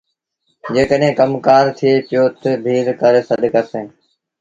جيڪڏهين ڪم ڪآر ٿئي پيٚو تا ڀيٚل ڪري سڏ ڪرسيٚݩ